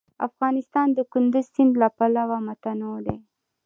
افغانستان د کندز سیند له پلوه متنوع دی.